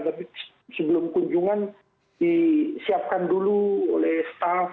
tapi sebelum kunjungan disiapkan dulu oleh staff